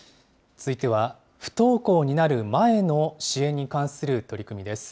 続いては、不登校になる前の支援に関する取り組みです。